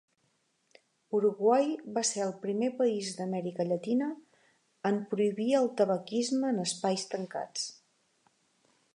Uruguai va ser el primer país d'Amèrica Llatina en prohibir el tabaquisme en espais tancats.